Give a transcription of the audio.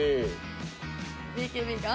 ＢＫＢが？